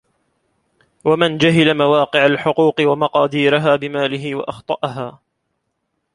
وَمَنْ جَهِلَ مَوَاقِعَ الْحُقُوقِ وَمَقَادِيرَهَا بِمَالِهِ وَأَخْطَأَهَا